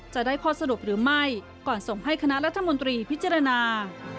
จะได้ข้อสรุปหรือไม่ก่อนส่งให้คณะรัฐมนตรีพิจารณา